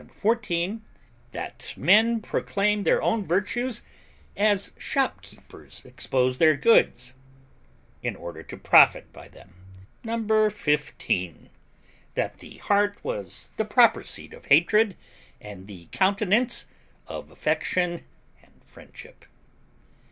14. That men proclaim their own virtues, as shopkeepers expose their goods, in order to profit by them. 15. That the heart was the proper seat of hatred, and the countenance of affection and friendship.